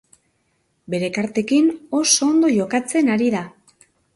Bere kartekin oso ondo jokatzen ari da.